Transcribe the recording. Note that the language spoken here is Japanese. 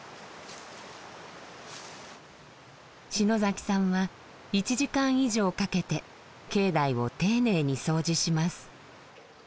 篠崎さんは１時間以上かけて境内を丁寧に掃除します。